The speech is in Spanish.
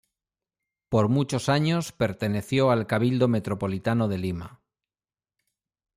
Por muchos años perteneció al Cabildo Metropolitano de Lima.